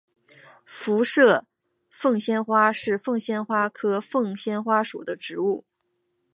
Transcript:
辐射凤仙花是凤仙花科凤仙花属的植物。